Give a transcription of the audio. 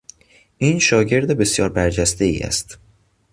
این شاگرد بسیار برجستهای است.